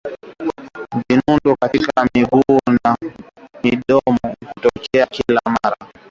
vinundu katika miguu na midomo hutokea kila mara